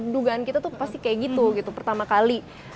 dugaan kita tuh pasti kayak gitu gitu pertama kali